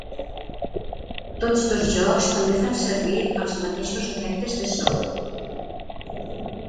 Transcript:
Tots dos jocs també fan servir els mateixos efectes de so.